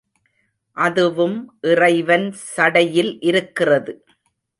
அதுவும் இறைவன் சடையில் இருக்கிறது.